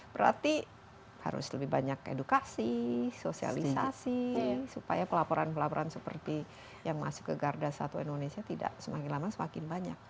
berarti harus lebih banyak edukasi sosialisasi supaya pelaporan pelaporan seperti yang masuk ke garda satu indonesia tidak semakin lama semakin banyak